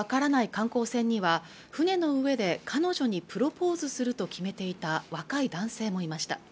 観光船には船の上で彼女にプロポーズすると決めていた若い男性もいました